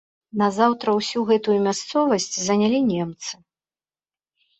Назаўтра ўсю гэтую мясцовасць занялі немцы.